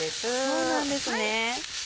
そうなんですね。